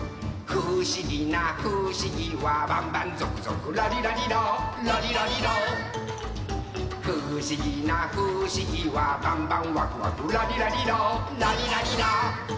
「ふしぎなふしぎはバンバンゾクゾク」「ラリラリラ」「ラリラリラ」「ふしぎなふしぎはバンバンワクワク」「ラリラリラ」「ラリラリラ」